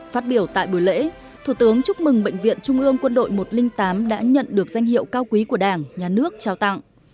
phát biểu tại buổi lễ thủ tướng chúc mừng bệnh viện trung ương quân đội một trăm linh tám đã nhận được danh hiệu cao quý của đảng nhà nước trao tặng